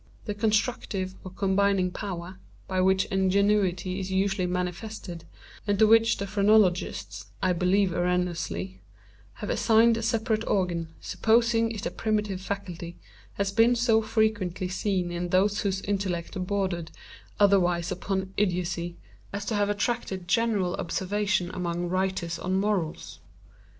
The constructive or combining power, by which ingenuity is usually manifested, and to which the phrenologists (I believe erroneously) have assigned a separate organ, supposing it a primitive faculty, has been so frequently seen in those whose intellect bordered otherwise upon idiocy, as to have attracted general observation among writers on morals.